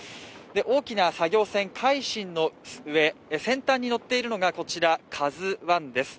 大きな作業船「海進」の上先端に乗っているのが「ＫＡＺＵⅠ」です。